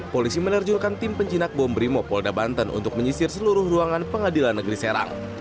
polisi menerjurkan tim penjinak bom brimo polda banten untuk menyisir seluruh ruangan pengadilan negeri serang